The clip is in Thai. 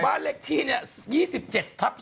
บ้านเลขที่นี่๒๗ทัภ๓